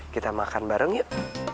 kita makan bareng yuk